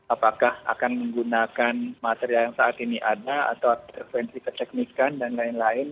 apakah akan menggunakan material yang saat ini ada atau frekuensi keteknikan dan lain lain